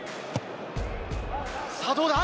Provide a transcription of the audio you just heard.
さあ、どうだ？